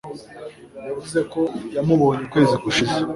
Yavuze ko yamubonye ukwezi gushize.